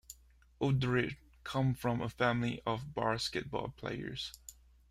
Udrih comes from a family of basketball players.